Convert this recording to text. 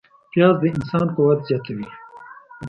پیاز د انسان قوت زیاتوي